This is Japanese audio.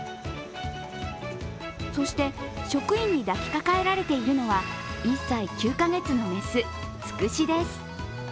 そして職員に抱きかかえられているのは１歳９カ月の雌、つくしです。